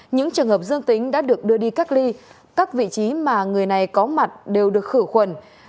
những trường hợp dương tính đã được đưa đi cách ly các vị trí mà người này có mặt đều được khử khuẩn